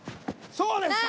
そうです！